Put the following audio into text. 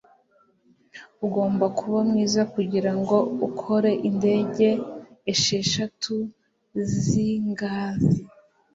Ugomba kuba mwiza kugirango ukore indege esheshatu zingazi